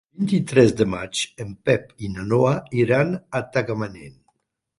El vint-i-tres de maig en Pep i na Noa iran a Tagamanent.